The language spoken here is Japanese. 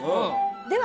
では